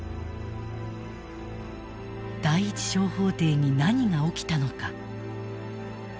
第一小法廷に何が起きたのか。